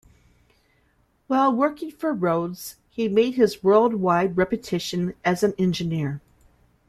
While working for Rhodes, he made his worldwide reputation as an engineer.